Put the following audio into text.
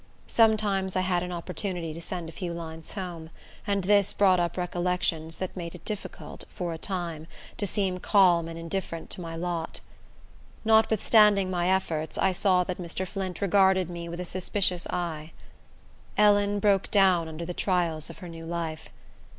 Sometimes I had an opportunity to send a few lines home; and this brought up recollections that made it difficult, for a time, to seem calm and indifferent to my lot. Notwithstanding my efforts, I saw that Mr. Flint regarded me with a suspicious eye. Ellen broke down under the trials of her new life.